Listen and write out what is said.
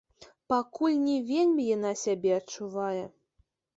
Пакуль не вельмі яна сябе адчувае.